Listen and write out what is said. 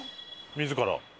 自ら？